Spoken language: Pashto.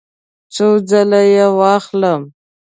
څو ځله یی واخلم؟